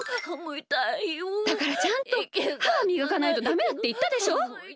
だからちゃんとははみがかないとダメだっていったでしょ！